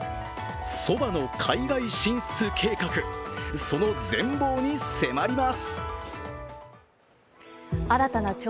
そばの海外進出計画その全貌に迫ります。